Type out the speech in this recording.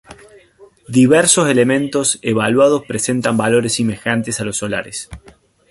Diversos elementos evaluados presentan valores semejantes a los solares.